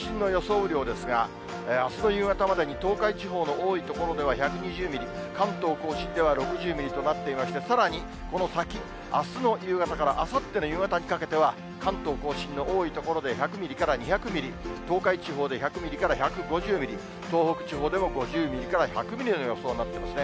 雨量ですが、あすの夕方までに東海地方の多い所では１２０ミリ、関東甲信では６０ミリとなっていまして、さらにこの先、あすの夕方からあさっての夕方にかけては、関東甲信の多い所で１００ミリから２００ミリ、東海地方で１００ミリから１５０ミリ、東北地方でも５０ミリから１００ミリの予想になってますね。